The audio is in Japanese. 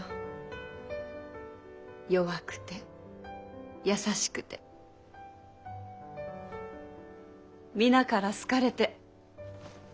弱くて優しくて皆から好かれて。